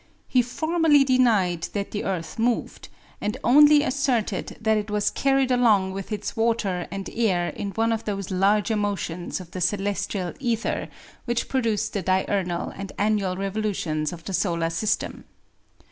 He formally denied that the earth moved, and only asserted that it was carried along with its water and air in one of those larger motions of the celestial ether which produce the diurnal and annual revolutions of the solar system.